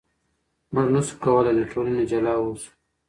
موږ نشو کولای له ټولنې جلا اوسو.